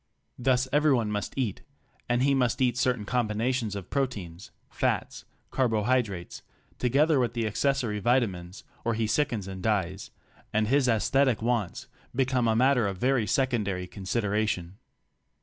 Thus every one must eat— and he must eat certain combinations of pro tein, fats, carbohydrates, together with the accessory vita mines, or he sickens and dies, and his_ aesthetic wants be come a matter of very secondary consideration.